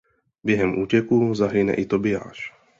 Během útěku zahyne i Tobiáš.